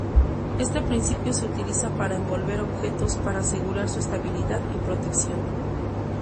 Este principio se utiliza para envolver objetos para asegurar su estabilidad y protección.